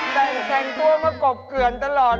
จะทำลามแล้วกบเกือนตลอดเลย